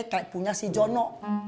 kayak punya si jono